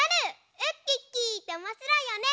ウッキッキーっておもしろいよね。